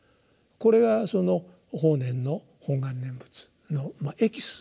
これがその法然の本願念仏のエキスですね。